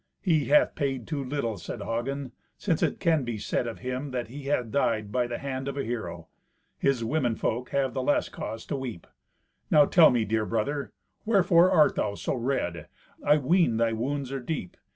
"He hath paid too little," said Hagen, "since it can be said of him that he hath died by the hand of a hero. His womenfolk have the less cause to weep. Now tell me, dear brother; wherefore art thou so red? I ween thy wounds are deep.